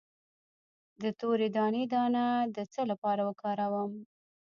د تورې دانې دانه د څه لپاره وکاروم؟